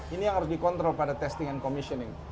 ini yang harus dikontrol pada testing and commissioning